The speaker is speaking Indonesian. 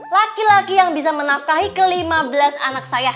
laki laki yang bisa menafkahi kelima belas anak saya